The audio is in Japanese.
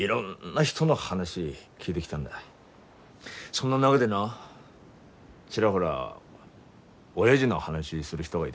そんな中でなちらほらおやじの話する人がいだんだよ。